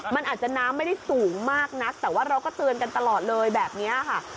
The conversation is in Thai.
มันอาจจะน้ำไม่ได้สูงมากนักแต่ว่าเราก็เตือนกันตลอดเลยแบบนี้ค่ะ